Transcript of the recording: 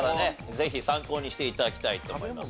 ぜひ参考にして頂きたいと思います。